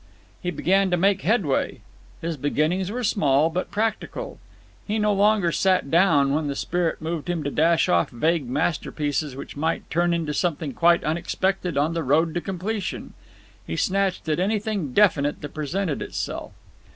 He began to make headway. His beginnings were small, but practical. He no longer sat down when the spirit moved him to dash off vague masterpieces which might turn into something quite unexpected on the road to completion; he snatched at anything definite that presented itself.